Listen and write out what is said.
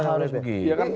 gak harus begitu